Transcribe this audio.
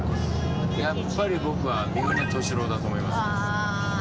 やっぱり僕は三船敏郎だと思います。